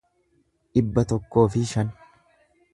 dhibba tokkoo fi shan